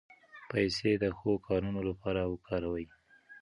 پیسې د ښو کارونو لپاره وکاروئ.